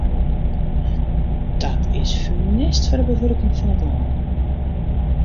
Dat is funest foar de bewurking fan it lân.